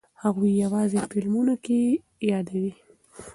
هغوی یوازې فلمونو کې یې یادوي.